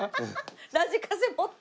ラジカセ持って。